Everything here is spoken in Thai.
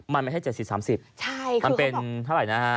มันไม่ใช่๗๐๓๐มันเป็นเท่าไหร่นะฮะ